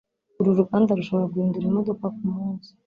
Uru ruganda rushobora guhindura imodoka kumunsi.